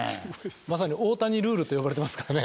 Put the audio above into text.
まさに大谷ルールと呼ばれてますからね。